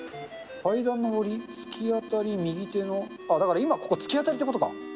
階段上り、突き当たり、右手の、今、だからここ、つきあたりってことか。